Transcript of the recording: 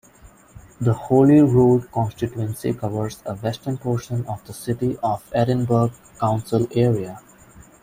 The Holyrood constituency covers a western portion of the City of Edinburgh council area.